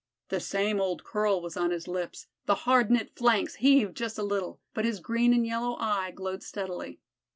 The same old curl was on his lips the hard knit flanks heaved just a little, but his green and yellow eye glowed steadily.